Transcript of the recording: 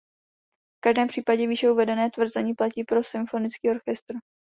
V každém případě výše uvedené tvrzení platí pro symfonický orchestr.